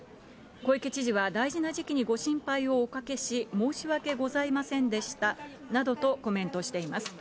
小池知事は大事な時期にご心配をおかけし、申し訳ございませんでしたなどとコメントしています。